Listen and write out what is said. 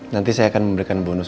nanti saya akan memberikan bonus